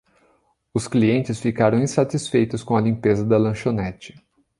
Os clientes ficaram insatisfeitos com a limpeza da lanchonete